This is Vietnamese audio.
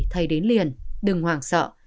thầy đến liền đừng hoảng sợ